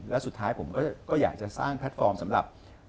แล้วสุดท้ายผมก็อยากจะสร้างแพลตฟอร์มสำหรับ